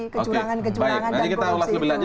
kecurangan kecurangan dan korupsi itu